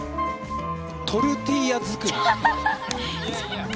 トルティーヤ作り。